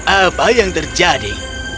apa yang terjadi